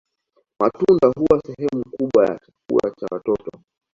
Matunda huwa sehemu kubwa ya chakula cha watoto